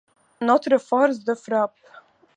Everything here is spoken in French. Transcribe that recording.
Notre force de frappe.